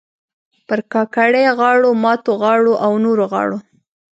پر کاکړۍ غاړو، ماتو غاړو او نورو غاړو